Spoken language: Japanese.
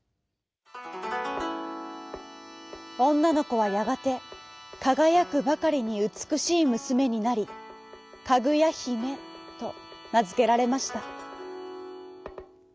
おんなのこはやがてかがやくばかりにうつくしいむすめになりかぐやひめとなづけられました。